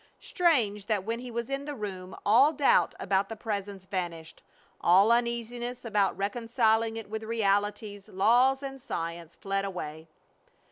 Strange that when he was in that room all doubt about the Presence vanished, all uneasiness about reconciling it with realities, laws, and science fled away.